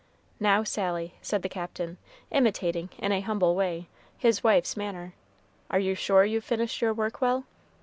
"Now, Sally," said the Captain, imitating, in a humble way, his wife's manner, "are you sure you've finished your work well?"